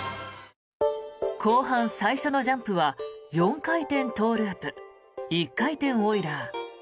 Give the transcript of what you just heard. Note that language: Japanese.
後半、最初のジャンプは４回転トウループ１回転オイラー